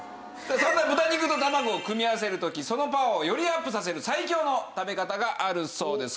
そんな豚肉と卵を組み合わせる時そのパワーをよりアップさせる最強の食べ方があるそうです。